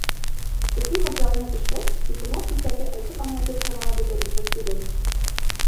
Өфө вокзалына төшкәс, кисергән хистәрҙе әйтеп-аңлатып ҡына ла бөтөрөрлөк түгел.